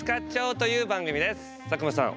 佐久間さん